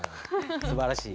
すばらしい。